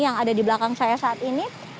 yang ada di belakang saya saat ini